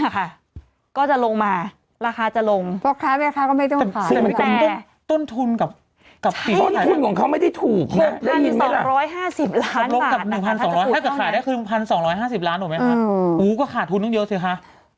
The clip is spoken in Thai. เรื่องราคาก็จะลงมาราคาจะลงพอคุณพาคอไม่จับออกไปต้นทุนกับตี่การของเขาไม่ได้ถูกอย่างที๒๕๐ล้านประมาณ๑๒๐๐มา๑๒๕๐บาทขาดธุลเยอะซิคะ